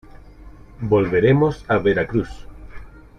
volveremos a Veracruz.